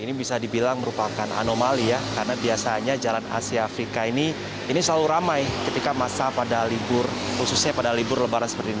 ini bisa dibilang merupakan anomali ya karena biasanya jalan asia afrika ini selalu ramai ketika masa pada libur khususnya pada libur lebaran seperti ini